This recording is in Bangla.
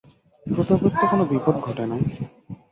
প্রতাপের তো কোনো বিপদ ঘটে নাই?